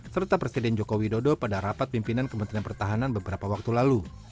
serta presiden joko widodo pada rapat pimpinan kementerian pertahanan beberapa waktu lalu